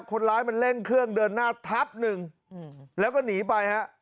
คนร้ายมันเร่งเครื่องเดินหน้าทับหนึ่งแล้วก็หนีไปฮะ